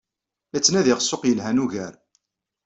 La ttnadiɣ ssuq yelhan ugar.